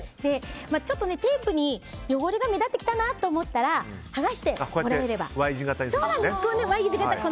ちょっとテープに汚れが目立ってきたなと思ったら剥がしてもらえれば。